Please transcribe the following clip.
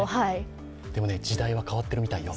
でも時代は変わってるみたい。